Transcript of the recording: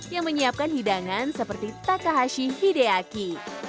yang menyiapkan hidangan seperti takahashi hideaki